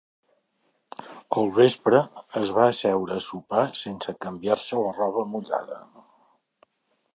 Al vespre es va asseure a sopar sense canviar-se la roba mullada.